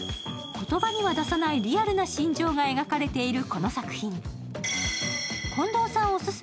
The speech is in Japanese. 言葉には出さないリアルな心情が描かれている、この作品。